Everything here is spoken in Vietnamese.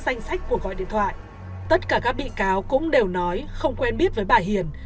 danh sách của gọi điện thoại tất cả các bị cáo cũng đều nói không quen biết với bà hiền